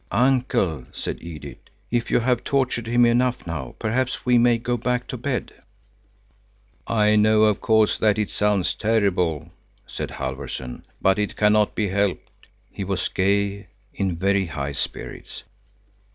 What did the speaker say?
"Uncle," said Edith, "if you have tortured him enough now, perhaps we may go back to bed?" "I know, of course, that it sounds terrible," said Halfvorson, "but it cannot be helped." He was gay, in very high spirits.